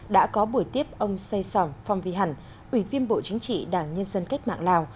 đã có buổi tiếp ông say sỏng phong vy hẳn ủy viên bộ chính trị đảng nhân dân kết mạng lào